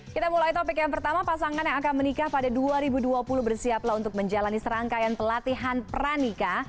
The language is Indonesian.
kita mulai topik yang pertama pasangan yang akan menikah pada dua ribu dua puluh bersiaplah untuk menjalani serangkaian pelatihan pranika